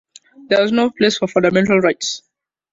There was no place for fundamental rights.